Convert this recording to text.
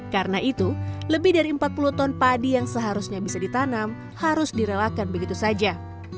karena itu lebih dari empat puluh ton padi yang seharusnya bisa ditanam harus direlakan begitu saja